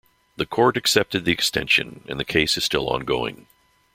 The court accepted the extension and the case is still ongoing.